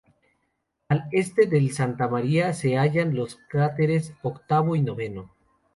Al este del Santa María se hallan los cráteres octavo y noveno.